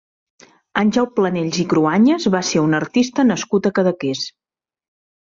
Àngel Planells i Cruañas va ser un artista nascut a Cadaqués.